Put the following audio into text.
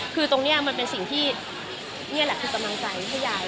คือตรงนี้มันเป็นสิ่งที่นี่แหละคือกำลังใจให้ยาย